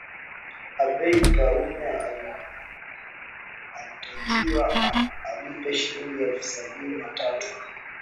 Abeid Karume alitakiwa alipe Shilingi elfu sabini na tatu